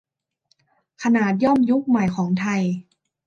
ขนาดย่อมยุคใหม่ของไทย